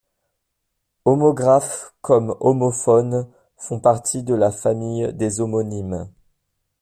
Homographes comme homophones font partie de la famille des homonymes.